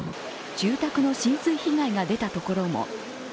住宅の浸水被害が出たところも。